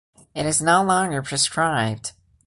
It is no longer prescribed.